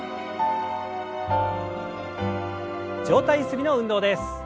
上体ゆすりの運動です。